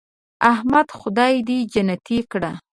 احمده خدای دې جنتې کړه .